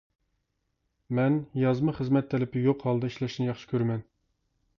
مەن يازما خىزمەت تەلىپى يوق ھالدا ئىشلەشنى ياخشى كورىمەن.